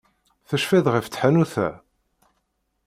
Tecfiḍ ɣef tḥanut-a?